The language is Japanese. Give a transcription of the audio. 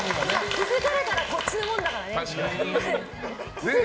気づかれたらこっちのもんだからね。